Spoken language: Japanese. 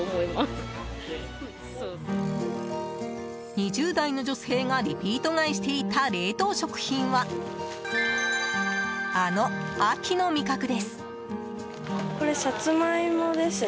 ２０代の女性がリピート買いしていた冷凍食品はあの秋の味覚です。